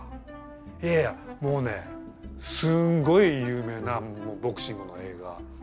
いやいやもうねぇすんごい有名なボクシングの映画。